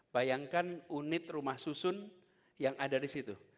bayangkan unit rumah susun yang ada di situ